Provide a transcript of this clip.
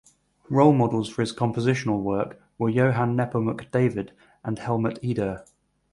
Role models for his compositional work were Johann Nepomuk David and Helmut Eder.